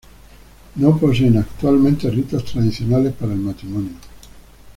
No poseen actualmente ritos tradicionales para el matrimonio.